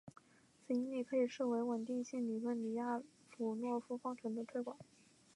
此引理可以视为是稳定性理论李亚普诺夫方程的推广。